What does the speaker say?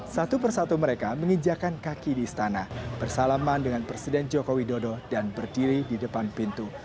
satu persatu mereka menginjakan kaki di istana bersalaman dengan presiden joko widodo dan berdiri di depan pintu